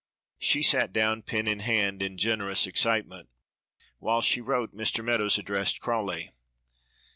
She sat down, pen in hand, in generous excitement. While she wrote Mr. Meadows addressed Crawley.